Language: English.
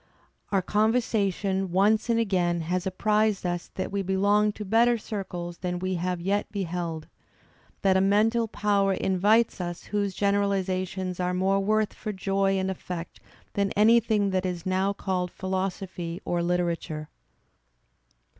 Our conversation once and again has apprised us that we belong to better circles than we have yet beheld; that a mental power invites us whose generalizations are more worth for joy and effect than anything that is now called philosophy or literature."